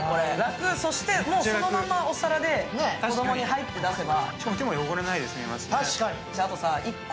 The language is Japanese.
もうそのままお皿で子供に「はい」って出せば。